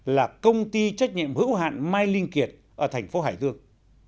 là công ty trách nhiệm hữu hạn mai linh kiệt ở thành phố hải dương